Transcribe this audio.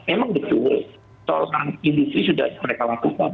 memang itu tol anti industri sudah mereka lakukan